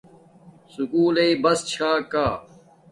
سکُول لݶ بس چھا کا